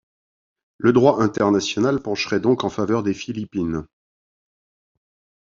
Le droit international pencherait donc en faveur des Philippines.